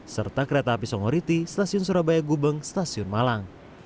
serta kereta api songoriti stasiun surabaya gubeng stasiun malang